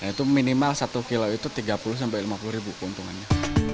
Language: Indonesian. itu minimal satu kilo itu rp tiga puluh rp lima puluh keuntungannya